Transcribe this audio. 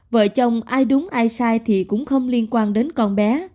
vợ chồng ai đúng ai sai thì cũng không liên quan đến con bé